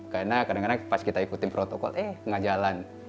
karena kadang kadang pas kita ikuti protokol eh nggak jalan